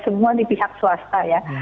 semua di pihak swasta ya